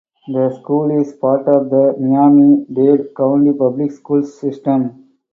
The school is part of the Miami-Dade County Public Schools System.